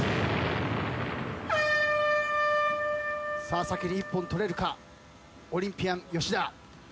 さあ先に１本取れるかオリンピアン吉田。